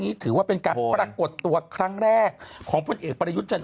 ถือว่าเป็นการปรากฏตัวครั้งแรกของพลเอกประยุทธ์จันท